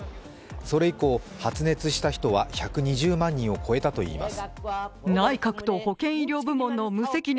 それ以降、発熱した人は１２０万人を超えたといいます。